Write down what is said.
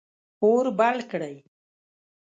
اور بل کړئ